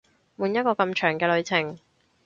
換一個咁長嘅旅程